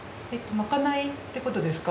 まかないってことですか？